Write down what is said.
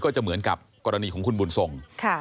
คือจะเหมือนกับกรณีของบุญทรง